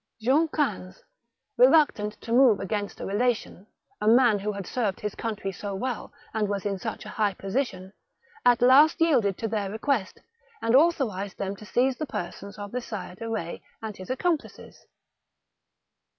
John v., reluctant to move against a relation, a man who had served his country so well, and was in such a high position, at last yielded to their request, and authorized them to seize the persons of the Sire de Eetz and his accomplices.